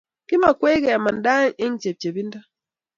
kimakwech kemanda ahek eng' chepchepindo